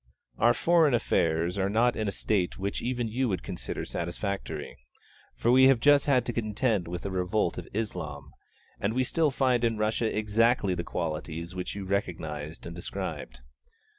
Our foreign affairs are not in a state which even you would consider satisfactory; for we have just had to contend with a Revolt of Islam, and we still find in Russia exactly the qualities which you recognised and described.